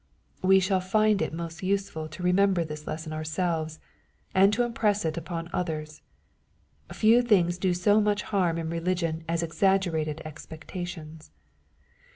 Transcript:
We shall find it most useful to remember this lesson ourselves, and to impress it upon others. Few things do BO much harm in religion as exaggerated expectations.